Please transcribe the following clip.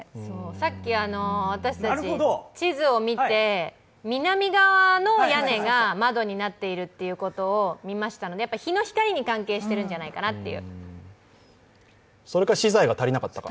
さっき私たち、地図を見て、南側の屋根が窓になっているということを見ましたので日の光に関係しているんじゃないかなっていうそれか、資材が足りなかったか。